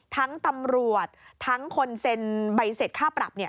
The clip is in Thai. ทั้งตำรวจทั้งคนเซ็นใบเสร็จค่าปรับ